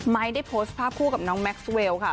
ได้โพสต์ภาพคู่กับน้องแม็กซ์เวลค่ะ